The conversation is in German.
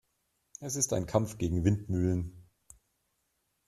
Es ist ein Kampf gegen Windmühlen.